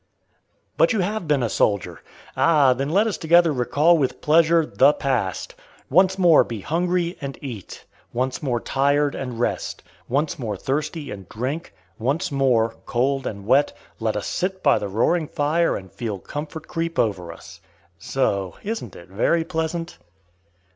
But you have been a soldier! Ah, then let us together recall with pleasure, the past! once more be hungry, and eat; once more tired, and rest; once more thirsty, and drink; once more, cold and wet, let us sit by the roaring fire and feel comfort creep over us. So! isn't it very pleasant?